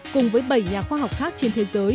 cùng với bảy nhà khoa học khác trên thế giới